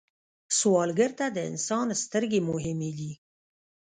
سوالګر ته د انسان سترګې مهمې دي